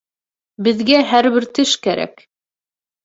— Беҙгә һәр бер теш кәрәк.